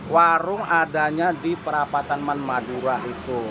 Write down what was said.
warung adanya di perapatan manmadura itu